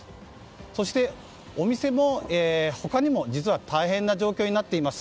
そして、お店も他にも実は大変な状況になっています。